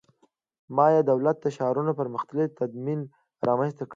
مایا دولت ښارونو پرمختللی تمدن رامنځته کړ